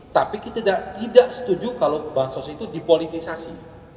tapi kita tidak setuju kalau bansos itu dipolitisasi